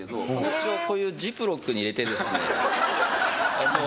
一応こういうジップロックに入れてですね。